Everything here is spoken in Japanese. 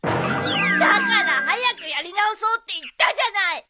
だから早くやり直そうって言ったじゃない。